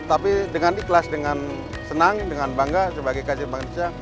tapi dengan ikhlas dengan senang dengan bangga sebagai kajian bank indonesia